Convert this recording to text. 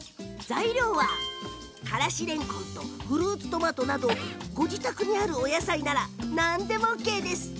材料は、からしれんこんとフルーツトマトなど自宅にあるお野菜なら何でもＯＫ。